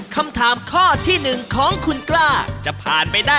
ผมถูกกว่า